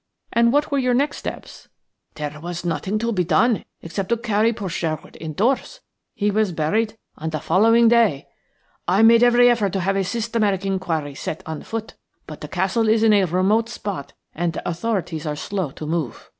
"And what were your next steps?" "There was nothing to be done except to carry poor Sherwood indoors. He was buried on the following day. I made every effort to have a systematic inquiry set on foot, but the castle is in a remote spot and the authorities are slow to move.